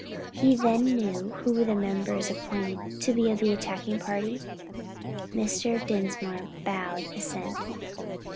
"He then knew who were the members appointed to be of the attacking party?" Mr. Dinsmore bowed assent.